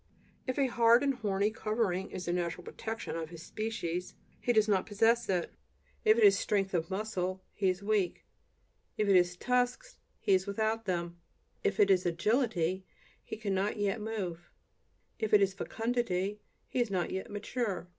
If a hard and horny covering is the natural protection of his species, he does not possess it; if it is strength of muscle, he is weak; if it is tusks, he is without them; if it is agility, he cannot yet move; if it is fecundity, he is not yet mature.